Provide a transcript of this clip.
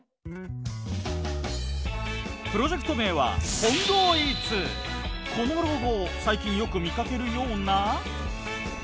プロジェクト名はこのロゴ最近よく見かけるような？